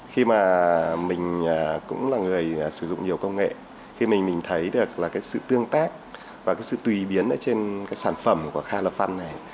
khi mà mình cũng là người sử dụng nhiều công nghệ khi mình thấy được sự tương tác và sự tùy biến trên sản phẩm của calafan này